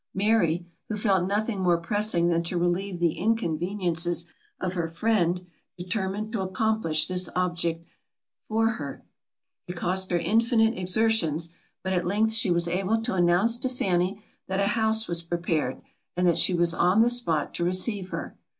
Mary, who felt nothing more pressing than to relieve the inconveniences of her friend, determined to accomplish this object for her. It cost her infinite exertions; but at length she was able to announce to Fanny that a house was prepared, and that she was on the spot to receive her.